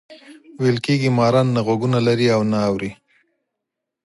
ویل کېږي ماران نه غوږونه لري او نه اوري.